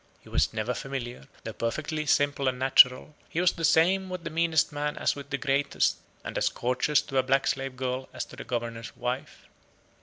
He was never familiar, though perfectly simple and natural; he was the same with the meanest man as with the greatest, and as courteous to a black slave girl as to the Governor's wife.